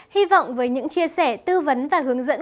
hy vọng với những chia sẻ tư vấn và hướng dẫn